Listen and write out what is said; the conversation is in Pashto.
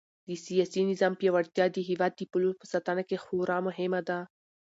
د سیاسي نظام پیاوړتیا د هېواد د پولو په ساتنه کې خورا مهمه ده.